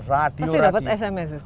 pasti dapat sms